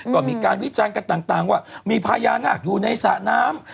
ก็มีการวิจารณ์กันต่างว่ามีพญานาคอยู่ในสระน้ำ